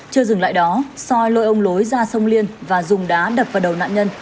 chưa dừng lại đó soi lôi ông lối ra sông liên và dùng đá đập vào đầu nạn nhân